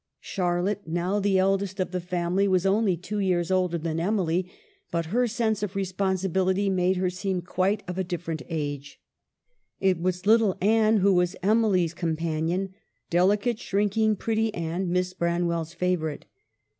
Charlotte, now the eldest of the 56 EMILY BRONTE. family, was only two years older than Emily, but her sense of responsibility made her seem quite of a different age. It was little Anne who was Emily's companion — delicate, shrinking, pretty Anne, Miss Branwell's favorite.